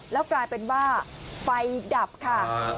แล้วกลายเป็นว่าไฟดับค่ะ